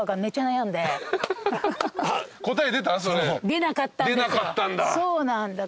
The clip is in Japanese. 出なかったんだ。